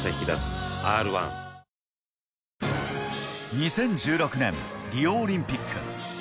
２０１６年、リオオリンピック。